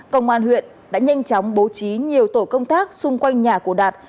công an huyện đã nhanh chóng bố trí nhiều tổ công tác xung quanh nhà của đạt